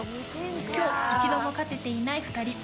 今日、一度も勝ててない２人。